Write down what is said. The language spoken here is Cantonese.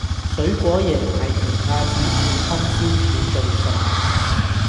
水果椰奶奇亞籽健康消暑最爽